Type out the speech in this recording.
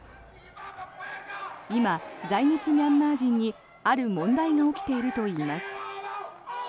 今、在日ミャンマー人にある問題が起きているといいます。